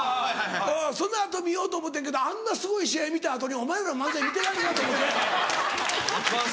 その後見ようと思うてんけどあんなすごい試合見た後にお前らの漫才見てられんなと思って。